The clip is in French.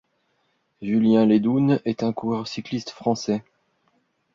Julien Laidoun est un coureur cycliste français.